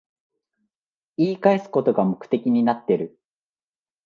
言い返すことが目的になってる